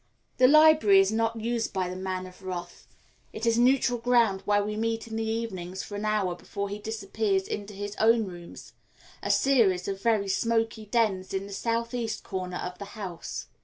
The library is not used by the Man of Wrath; it is neutral ground where we meet in the evenings for an hour before he disappears into his own rooms a series of very smoky dens in the southeast corner of the house.